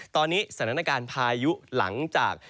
ตอนนี้สถานการณ์พายุหลังจาก